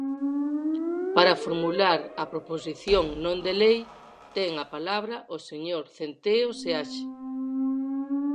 Para formular a proposición non de lei ten a palabra o señor Centeo Seaxe.